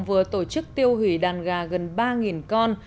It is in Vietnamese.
vừa tổ chức tiêu hủy đàn gà gần ba con